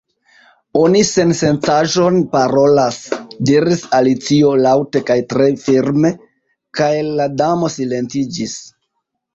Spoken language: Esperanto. "Oni sen -sencaĵon parolas!" diris Alicio laŭte kaj tre firme; kaj la Damo silentiĝis!